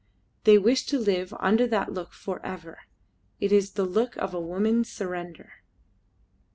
They wish to live under that look for ever. It is the look of woman's surrender.